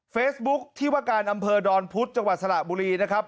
เฟซบุ๊คที่ว่าการอำเภอดอนพุธจังหวัดสระบุรีนะครับ